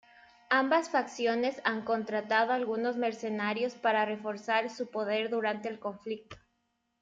Ambas facciones han contratado algunos mercenarios para reforzar su poder durante el conflicto.